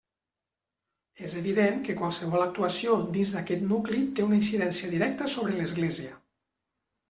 És evident que qualsevol actuació dins d'aquest nucli té una incidència directa sobre l'església.